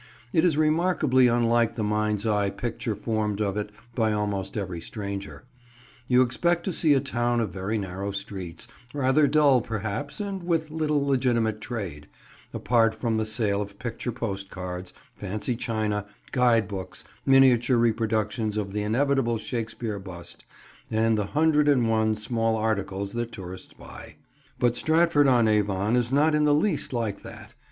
It is remarkably unlike the mind's eye picture formed of it by almost every stranger. You expect to see a town of very narrow streets, rather dull perhaps and with little legitimate trade, apart from the sale of picture postcards, fancy china, guide books, miniature reproductions of the inevitable Shakespeare bust, and the hundred and one small articles that tourists buy; but Stratford on Avon is not in the least like that.